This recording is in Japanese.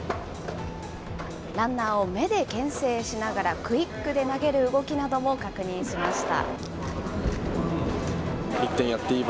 ランナーを目でけん制しながらクイックで投げる動きなども確認しました。